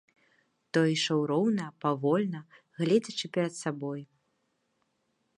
Той ішоў роўна, павольна, гледзячы перад сабой.